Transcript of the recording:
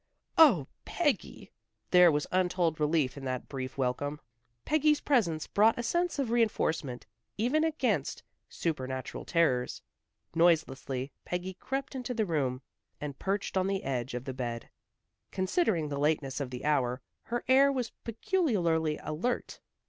"Oh, Peggy!" There was untold relief in that brief welcome. Peggy's presence brought a sense of reinforcement, even against supernatural terrors. Noiselessly Peggy crept into the room, and perched on the edge of the bed. Considering the lateness of the hour, her air was peculiarly alert.